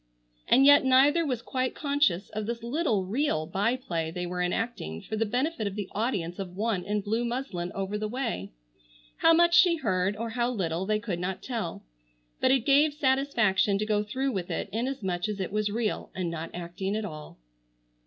And yet neither was quite conscious of this little real by play they were enacting for the benefit of the audience of one in blue muslin over the way. How much she heard, or how little they could not tell, but it gave satisfaction to go through with it inasmuch as it was real, and not acting at all.